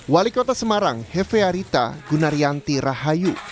wali kota semarang hefearita gunaryanti rahayu